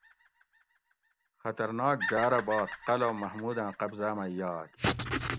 خطر ناک جارہ باد قلعہ محموداں قبضاۤ مئ یاگ